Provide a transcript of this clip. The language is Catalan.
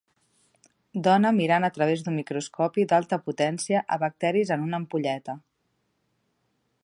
Dona mirant a través d'un microscopi d'alta potència a bacteris en una ampolleta